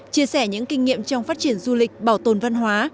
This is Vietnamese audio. chia sẻ những kinh nghiệm trong phát triển du lịch bảo tồn văn hóa